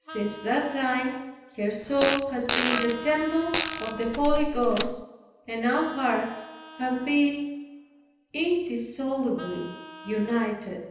Since that time her soul has been the temple of the Holy Ghost, and our hearts have been indissolubly united.